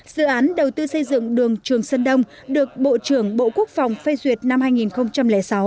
dự án đầu tư xây dựng đường trường sơn đông được bộ trưởng bộ quốc phòng phê duyệt năm hai nghìn sáu